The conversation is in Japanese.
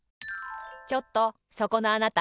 ちょっとそこのあなた。